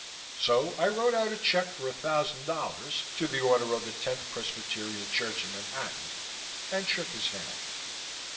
So I wrote out a check for a thousand dollars to the order of the Tenth Presbyterian Church of Manhattan, and shook his hand.